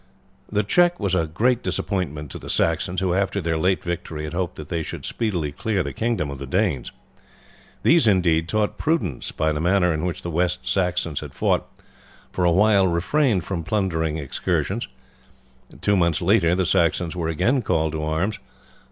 This check was a great disappointment to the Saxons, who after their late victory had hoped that they should speedily clear the kingdom of the Danes. These, indeed, taught prudence by the manner in which the West Saxons had fought, for a while refrained from plundering excursions. Two months later the Saxons were again called to arms.